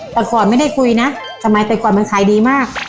แต่ก่อนไม่ได้คุยนะสมัยแต่ก่อนมันขายดีมาก